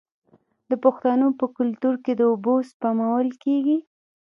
د پښتنو په کلتور کې د اوبو سپمول کیږي.